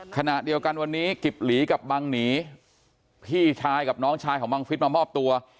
ขณะเดียวกันวันนี้กิบหลีกับบังหนีพี่ชายกับน้องชายของบังฟิศมามอบตัว